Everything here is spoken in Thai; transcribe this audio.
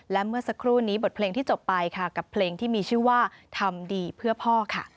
และเมื่อสักครู่นี้บทเพลงที่จบไปค่ะกับเพลงที่มีชื่อว่าทำดีเพื่อพ่อค่ะ